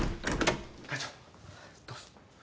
会長どうぞ。